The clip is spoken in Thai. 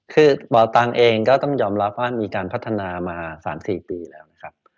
คือบ่อตังเองก็ต้องยอมรับว่ามีการพัฒนามา๓๔ปีแล้วนะครับ